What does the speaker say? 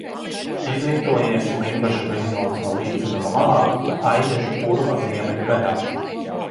Izvietojies Limbažu viļņotā līdzenuma malā Aijažu purva ziemeļu daļā.